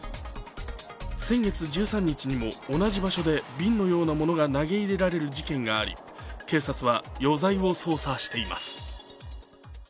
先月１３日にも、同じ場所で瓶のようなものが投げ入れられる事件があり警察は余罪を捜査しています。